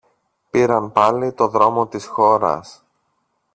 Πήραν πάλι το δρόμο της χώρας.